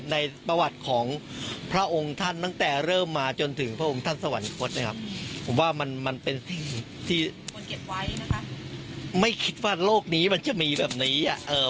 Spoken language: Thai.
ในประวัติของพระองค์ท่านตั้งแต่เริ่มมาจนถึงพระองค์ท่านสวรรคตนะครับผมว่ามันมันเป็นสิ่งที่ไม่คิดว่าโลกนี้มันจะมีแบบนี้อ่ะเอ่อ